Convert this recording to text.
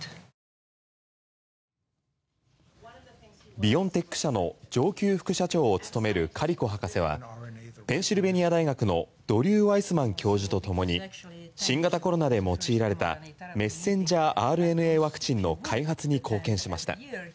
ビオンテック社の上級副社長を務めるカリコ博士はペンシルベニア大学のドリュー・ワイスマン教授とともに新型コロナで用いられたｍＲＮＡワクチンの開発に貢献しました。